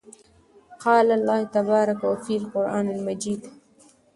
قال الله تبارك وتعالى فى القران المجيد: